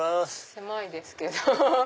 狭いですけど。